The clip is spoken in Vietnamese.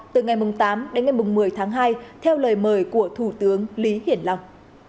từ ngày tám đến ngày một mươi tháng hai theo lời mời của thủ tướng lý hiển long